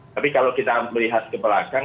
tapi kalau kita melihat ke belakang